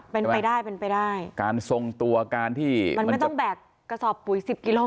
เป็นไปได้เป็นไปได้การทรงตัวการที่มันไม่ต้องแบกกระสอบปุ๋ยสิบกิโล